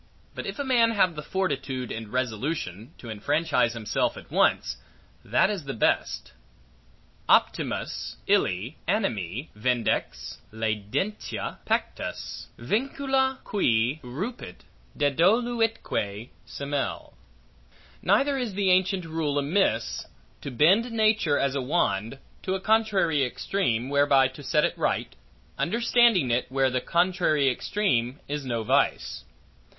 But if a man have the fortitude, and resolution, to enfranchise himself at once, that is the best: Optimus ille animi vindex laedentia pectus Vincula qui rupit, dedoluitque semel. Neither is the ancient rule amiss, to bend nature, as a wand, to a contrary extreme, whereby to set it right, understanding it, where the contrary extreme is no vice.